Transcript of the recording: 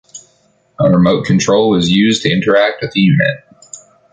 A remote control was used to interact with the unit.